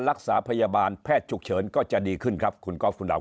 รักษาพยาบาลแพทย์ฉุกเฉินก็จะดีขึ้นครับคุณก๊อฟคุณดาว